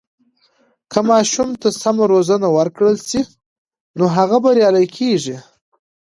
که ماشوم ته سمه روزنه ورکړل سي، نو هغه بریالی کیږي.